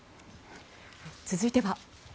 続いては。